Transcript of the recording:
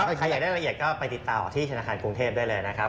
ส่วนใครอยากได้รายละเอียดก็ไปติดต่อที่ธนาคารกรุงเทพได้เลยนะครับ